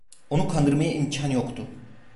Onu kandırmaya imkan yoktu.